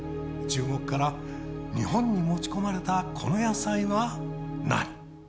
中国から日本に持ち込まれたこの野菜は何？